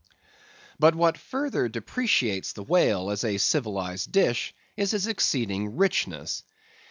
But what further depreciates the whale as a civilized dish, is his exceeding richness.